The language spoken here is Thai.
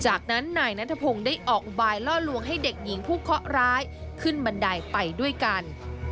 จากนั้นนายนัทพงศ์ได้ออกอุบายล่อลวงให้เด็กหญิงผู้เคาะร้ายขึ้นบันไดไปด้วยกัน